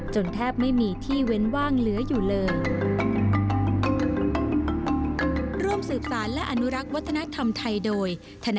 แทบไม่มีที่เว้นว่างเหลืออยู่เลย